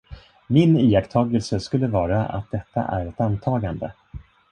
Min iakttagelse skulle vara att detta är ett antagande.